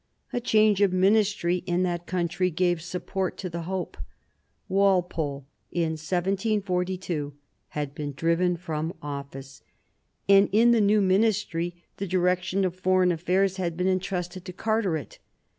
A change of ministry in that country gave support to the hope. Walpole in 1742 had been driven from office, and in the new ministry the direction of foreign affairs had been entrusted to Carteret.